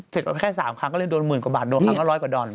เสร็จแค่๓ครั้งก็เลยโดน๑๐๐๐๐กว่าบาทโดน๑ครั้งก็๑๐๐กว่าดอน